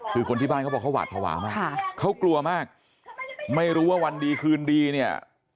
คือคนที่บ้านเขาบอกวัดผวามากเขากลัวมากไม่รู้ว่าวันดีคืนนี่